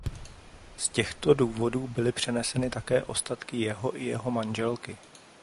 Z těchto důvodů byly přeneseny také ostatky jeho i jeho manželky.